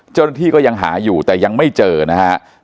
เจ้าหน้าที่ก็ยังหาอยู่แต่ยังไม่เจอนะฮะ